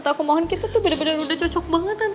tante aku mohon kita tuh beda beda udah cocok banget tante